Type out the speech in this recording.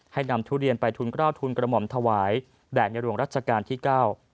นำทุเรียนไปทุนกล้าวทุนกระหม่อมถวายแด่ในหลวงรัชกาลที่เก้า